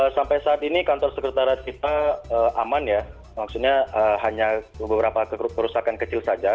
sampai saat ini kantor sekretariat kita aman ya maksudnya hanya beberapa kerusakan kecil saja